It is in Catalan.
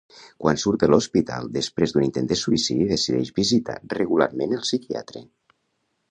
Quan surt de l'hospital després d'un intent de suïcidi decideix visitar regularment el psiquiatre.